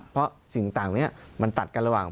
เพราะสิ่งต่างนี้มันตัดกันระหว่าง